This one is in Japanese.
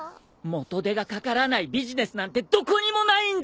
元手がかからないビジネスなんてどこにもないんです！